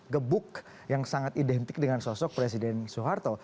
gebuk yang sangat identik dengan sosok presiden soeharto